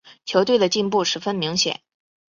球队的进步十分明显。